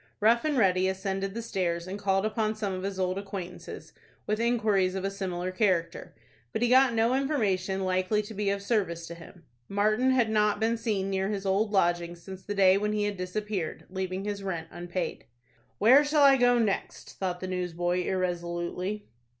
Rough and Ready ascended the stairs, and called upon some of his old acquaintances, with inquiries of a similar character. But he got no information likely to be of service to him. Martin had not been seen near his old lodgings since the day when he had disappeared, leaving his rent unpaid. "Where shall I go next?" thought the newsboy, irresolutely.